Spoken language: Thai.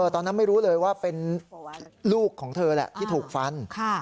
ตอนนั้นไม่รู้เลยว่าเป็นลูกของเธอแหละที่ถูกฟัน